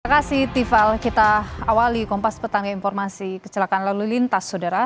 terima kasih tiffal kita awali kompas tetangga informasi kecelakaan lalu lintas saudara